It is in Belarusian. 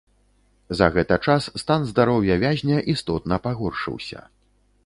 За гэта час стан здароўя вязня істотна пагоршыўся.